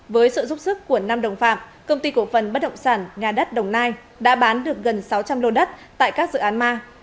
với sự giúp sức của năm đồng phạm công ty cổ phần bất động sản nhà đất đồng nai đã bán được gần sáu trăm linh lô đất tại các dự án ma